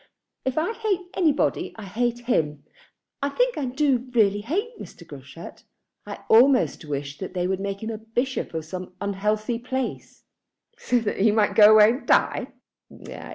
If I hate anybody, I hate him. I think I do really hate Mr. Groschut. I almost wish that they would make him bishop of some unhealthy place." "So that he might go away and die?"